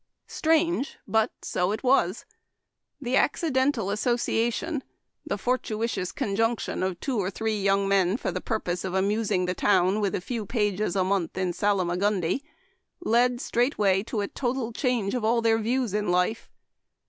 " Strange, but so it was. The accidental association, the fortuitous conjunction of two or three young men for the purpose of amusing the town with a few pages a month in Salma gundi, led straightway to a total change of all their views in life.